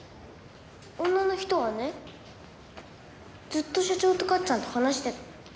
女の人はねずっと所長とかっちゃんと話してた。